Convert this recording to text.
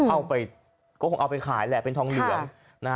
เอาไปขายแหละเป็นทองเหลือง